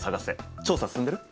調査進んでる？